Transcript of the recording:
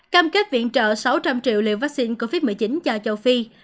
cam kết viện trợ sáu trăm linh triệu liều vaccine covid một mươi chín cho châu phi